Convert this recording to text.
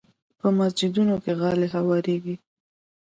په مسجدونو کې غالۍ هوارېږي.